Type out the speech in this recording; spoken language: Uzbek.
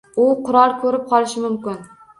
U qurol ko’rib qolishi mumkin.